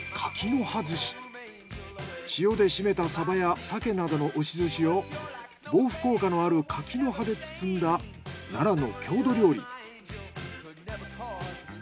塩で締めたサバやサケなどの押し寿司を防腐効果のある柿の葉で包んだ奈良の郷土料理。